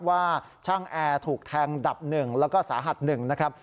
ว่าช่างแอร์ถูกแทงดับหนึ่งแล้วก็สาหัสหนึ่งนะครับ